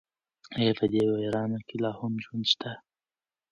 ایا په دې ویرانه کې لا هم ژوند شته؟